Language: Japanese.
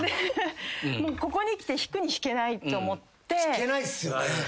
引けないっすよね。